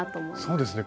そうですね。